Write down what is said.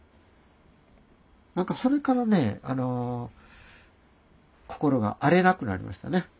なんかそれからね心が荒れなくなりましたね。